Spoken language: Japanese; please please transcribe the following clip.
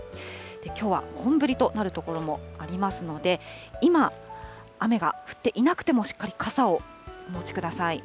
きょうは本降りとなる所もありますので、今、雨が降っていなくても、しっかり傘をお持ちください。